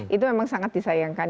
itu memang sangat disayangkan